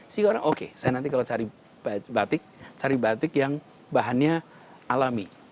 sehingga orang oke saya nanti kalau cari batik cari batik yang bahannya alami